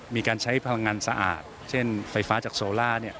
มีการใช้พลังงานสะอาดเช่นไฟฟ้าจากโซล่า